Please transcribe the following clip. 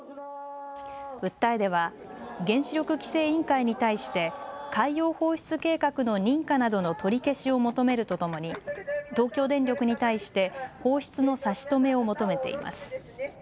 訴えでは原子力規制委員会に対して海洋放出計画の認可などの取り消しを求めるとともに東京電力に対して放出の差し止めを求めています。